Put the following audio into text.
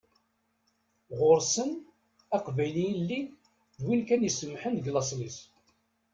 Ɣur-sen "Aqbayli ilelli" d win kan isemmḥen deg laṣel-is.